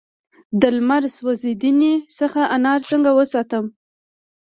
د لمر سوځیدنې څخه انار څنګه وساتم؟